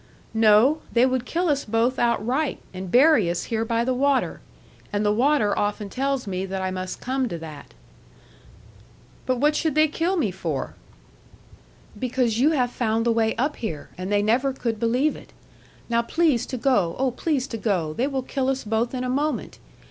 'No. They would kill us both outright, and bury us here by the water; and the water often tells me that I must come to that.' 'But what should they kill me for?' 'Because you have found the way up here, and they never could believe it. Now, please to go; oh, please to go. They will kill us both in a moment.